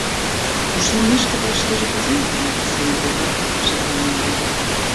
— Ушнымешкыда шкеже кузе иленат, Саня кокай? — шекланен йодым.